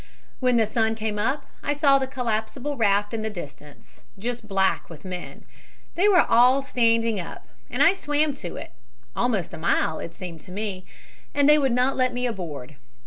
When the sun came up I saw the collapsible raft in the distance, just black with men. They were all standing up, and I swam to it almost a mile, it seemed to me and they would not let me aboard.